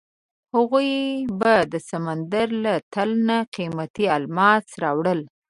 هغوی به د سمندر له تل نه قیمتي الماس راوړل.